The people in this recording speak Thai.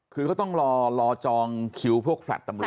คือเขาต้องรอจองคิวพวกแฟลต์ตำรวจ